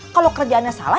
kalo kerjaannya salah